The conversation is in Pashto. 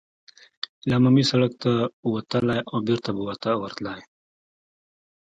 له عمومي سړک ته وتلای او بېرته به ورتللای.